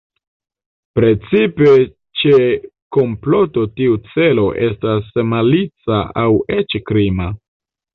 Precipe ĉe komploto tiu celo estas malica aŭ eĉ krima.